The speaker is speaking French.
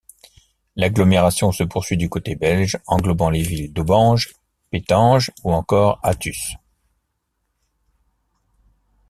L'agglomération se poursuit du côté belge, englobant les villes d'Aubange, Pétange ou encore Athus.